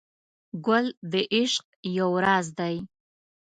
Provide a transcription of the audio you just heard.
ګل د عشق یو راز دی.